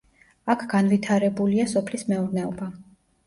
აქ განვითარებულია სოფლის მეურნეობა.